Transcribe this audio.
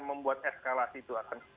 membuat eskalasi itu akan